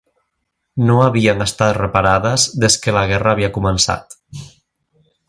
No havien estat reparades des que la guerra havia començat